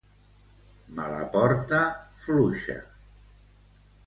Me la porta fluixa.